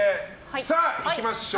さあ、いきましょう。